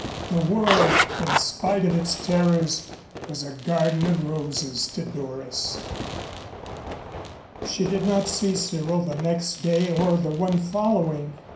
The world, in spite of its terrors, was a garden of roses to Doris. She did not see Cyril the next day or the one following.